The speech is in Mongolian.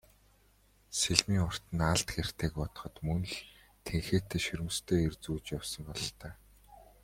Сэлмийн урт нь алд хэртэйг бодоход мөн л тэнхээтэй шөрмөстэй эр зүүж явсан бололтой.